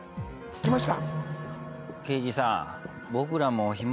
来ました。